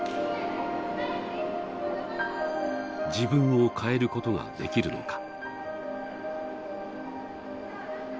自分を変えることができるのか。